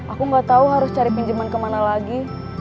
aku gak tau harus cari pinjeman kemana lagi